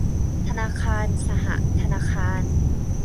ธนาคารสหธนาคาร